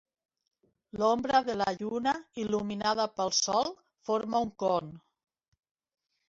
L'umbra de la lluna, il·luminada pel sol, forma un con.